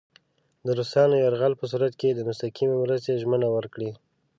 د روسانو د یرغل په صورت کې د مستقیمې مرستې ژمنه ورکړي.